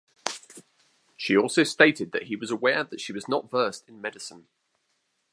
She also stated that he was aware that she was not versed in medicine.